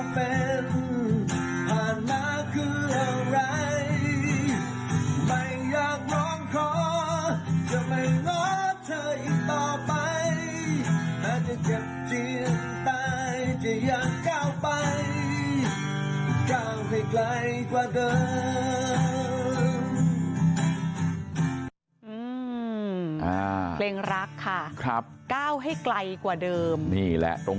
เจ็บจนจีนไปไม่อยากรอดให้ใครเห็น